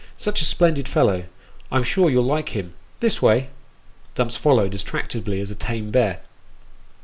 Such a splendid fellow ! I'm sure you'll like him this way," Dumps followed as tractably as a tame bear.